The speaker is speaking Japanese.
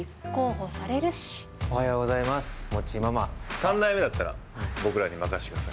三代目だったら僕らに任せてください。